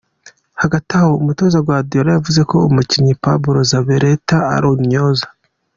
Hagati aho, umutoza Guardiola yavuze ko umukinnyi Pablo Zabaleta ari "intyoza.